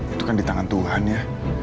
itu kan di tangan tuhan ya